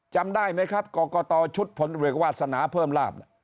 จำได้ไหมครับกรกตชุดผลเวกวาสนาเพิ่มลาบ